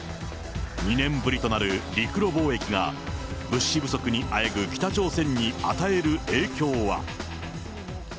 ２年ぶりとなる陸路貿易が、物資不足にあえぐ北朝鮮に与える影響は。